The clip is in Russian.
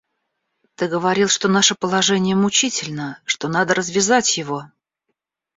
Ты говорил, что наше положение мучительно, что надо развязать его.